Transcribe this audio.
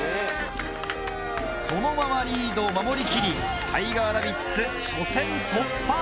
そのままリードを守りきりタイガーラビッツ。